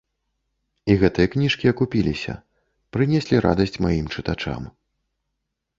І гэтыя кніжкі акупіліся, прынеслі радасць маім чытачам.